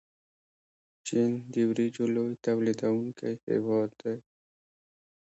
چین د وریجو لوی تولیدونکی هیواد دی.